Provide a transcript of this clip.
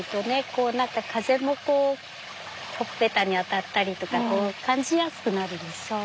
こう何か風もこうほっぺたに当たったりとか感じやすくなるでしょう。